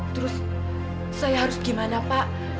terus saya harus gimana pak